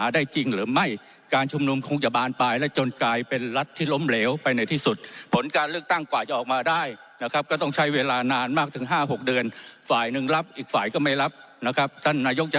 ได้นะครับก็ต้องใช้เวลานานมากถึงห้าหกเดือนฝ่ายหนึ่งรับอีกฝ่ายก็ไม่รับนะครับท่านนายกจะ